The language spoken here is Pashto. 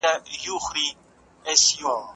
د لارو بندول د خلګو په وړاندي لوی ظلم دی.